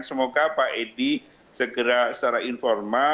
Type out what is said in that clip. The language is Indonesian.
semoga pak edi segera secara informal